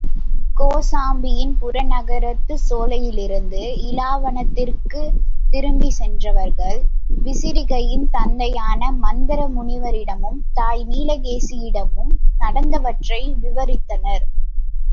கோசாம்பியின் புறநகரத்துச் சோலையிலிருந்து இலாவாணத்திற்குத் திரும்பிச் சென்றவர்கள், விரிசிகையின் தந்தையான மந்தர முனிவரிடமும் தாய் நீலகேசியிடமும் நடந்தவற்றை விவரித்தனர்.